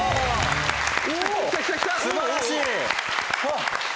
素晴らしい。